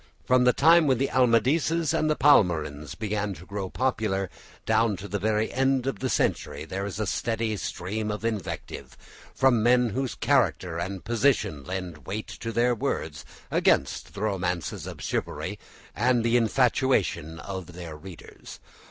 From the time when the Amadises and Palmerins began to grow popular down to the very end of the century, there is a steady stream of invective, from men whose character and position lend weight to their words, against the romances of chivalry and the infatuation of their readers.